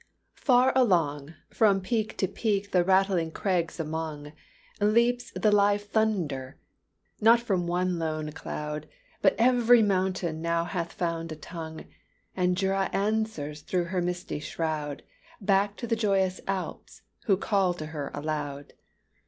"Far along, From peak to peak the rattling crags among, Leaps the live thunder! Not from one lone cloud, But every mountain now hath found a tongue, And Jura answers through her misty shroud, Back to the joyous Alps, who call to her aloud!